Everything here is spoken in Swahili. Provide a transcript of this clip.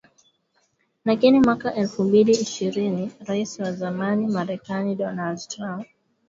Lakini mwaka elfu mbili ishirini Rais wa zamani Marekani Donald Trump aliamuru kiasi cha wanajeshi Mia saba wa Marekani nchini Somalia kuondoka badala yake